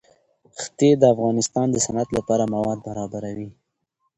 ښتې د افغانستان د صنعت لپاره مواد برابروي.